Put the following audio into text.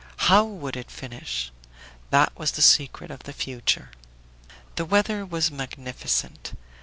How would it finish? That was the secret of the future. The weather was magnificent.